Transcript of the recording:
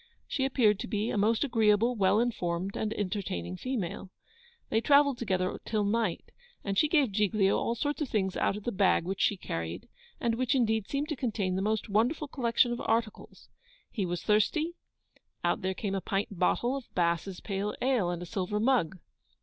She appeared to be a most agreeable, well informed, and entertaining female. They travelled together till night, and she gave Giglio all sorts of things out of the bag which she carried, and which indeed seemed to contain the most wonderful collection of articles. He was thirsty out there came a pint bottle of Bass's pale ale, and a silver mug!